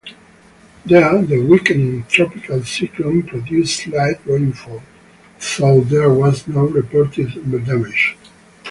There, the weakening tropical cyclone produced light rainfall, though there was no reported damage.